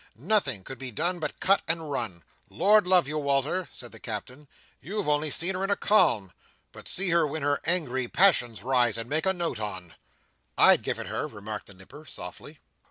Nothing could be done but cut and run. Lord love you, Wal"r!" said the Captain, "you've only seen her in a calm! But see her when her angry passions rise—and make a note on!" "I'd give it her!" remarked the Nipper, softly.